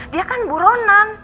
dia kan buronan